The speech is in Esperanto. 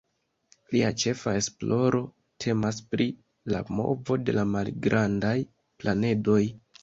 Lia ĉefa esploro temas pri la movo de la malgrandaj planedoj.